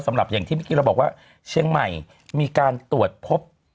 อย่างที่เมื่อกี้เราบอกว่าเชียงใหม่มีการตรวจพบ